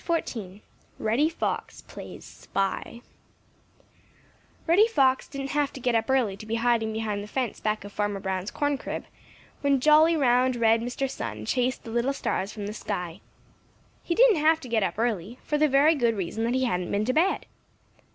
*XIV* *REDDY FOX PLAYS SPY* Reddy Fox didn't have to get up early to be hiding behind the fence back of Farmer Brown's corn crib when jolly, round, red Mr. Sun chased the little stars from the sky. He didn't have to get up early, for the very good reason that he hadn't been to bed.